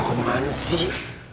kamu mana sih